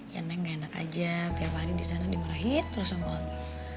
ya neng enak aja tiap hari di sana dimarahin terus sama habis